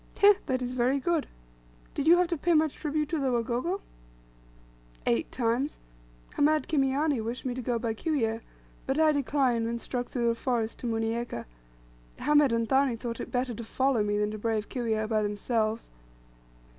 "Heh, that is very good." "Did you have to pay much tribute to the Wagogo?" "Eight times; Hamed Kimiani wished me to go by Kiwyeh, but I declined, and struck through the forest to Munieka. Hamed and Thani thought it better to follow me, than brave Kiwyeh by themselves."